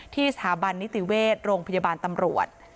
สถาบันนิติเวชโรงพยาบาลตำรวจ